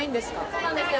そうなんですよ。